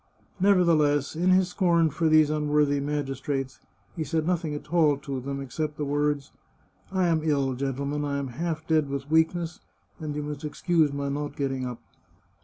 Neverthe less, in his scorn for these unworthy magistrates, he said nothing at all to them, except these words :" I am ill, gen tlemen; I am half dead with weakness, and you must ex cuse my not getting up."